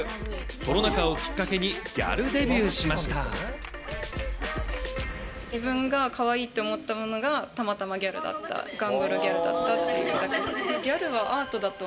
コロナ禍をきっかけに、ギャルデ自分がかわいいと思ったものがたまたまギャルだった、ガングロギャルだったっていうだけです。